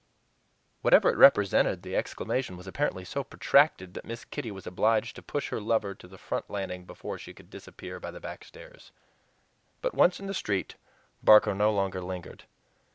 Whatever it represented, the exclamation was apparently so protracted that Miss Kitty was obliged to push her lover to the front landing before she could disappear by the back stairs. But once in the street, Barker no longer lingered.